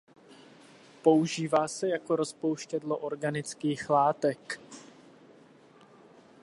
Používá se jako rozpouštědlo organických látek.